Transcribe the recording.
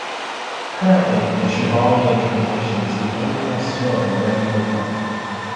Currently the Chevalier translation is the only one still in regular print.